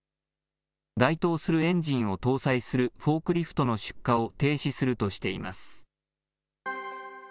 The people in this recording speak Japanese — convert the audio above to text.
該当するエンジンを搭載するフォークリフトの出荷を停止するとしています。